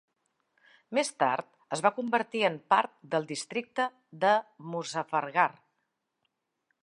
Més tard, es va convertir en part del districte de Muzaffargarh.